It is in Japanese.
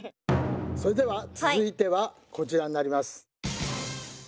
それでは続いてはこちらになります。